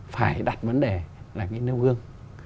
phải đặt vấn đề là cái nêu gương